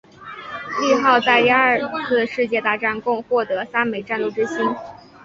利号在第二次世界大战共获得三枚战斗之星。